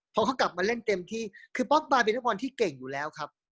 พอเขากลับมาเล่นเต็มที่คือป๊อกกลายเป็นนักบอลที่เก่งอยู่แล้วครับ